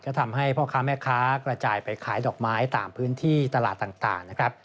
ก็ทำให้พ่อค้าแม่ค้ากระจายไปขายดอกไม้ตามพื้นที่ตลาดต่างนะครับ